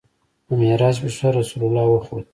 د معراج په شپه رسول الله وخوت.